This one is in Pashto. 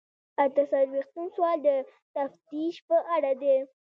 اته څلویښتم سوال د تفتیش په اړه دی.